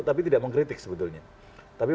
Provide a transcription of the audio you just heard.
tapi tidak mengkritik sebetulnya tapi